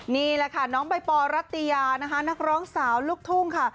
นี่แหละค่ะน้องใบปอรัตยานะคะนักร้องสาวลูกทุ่งค่ะ